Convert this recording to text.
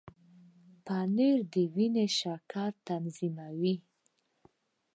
پنېر د وینې شکر تنظیموي.